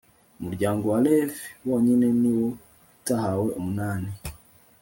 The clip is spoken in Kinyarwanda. umuryango wa levi wonyine ni wo utahawe umunani